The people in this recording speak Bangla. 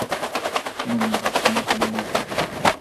আমার নিজের কোনো হানি হইবে বলিয়া ভয় করি না।